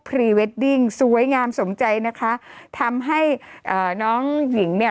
พรีเวดดิ้งสวยงามสมใจนะคะทำให้เอ่อน้องหญิงเนี่ย